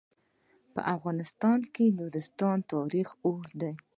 په افغانستان کې د نورستان تاریخ اوږد دی.